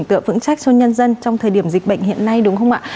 một điểm tựa vững chắc cho nhân dân trong thời điểm dịch bệnh hiện nay đúng không ạ